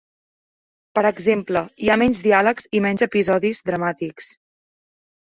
Per exemple, hi ha menys diàlegs i menys episodis dramàtics.